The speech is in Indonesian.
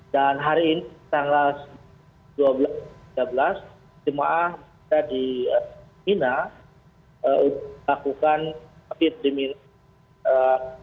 dan hari ini tanggal dua belas tiga belas jemaat dikalkan keminah untuk melakukan keminah